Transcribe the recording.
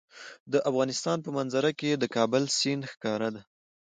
د افغانستان په منظره کې د کابل سیند ښکاره ده.